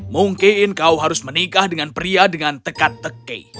mungkin kau harus menikah dengan pria dengan teka teki